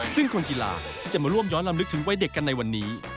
ซึ่งคนกีฬาที่จะมาร่วมย้อนลำลึกถึงวัยเด็กกันในวันนี้